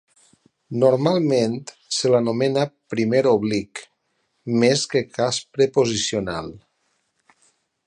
Normalment se l'anomena "primer oblic", més que cas preposicional.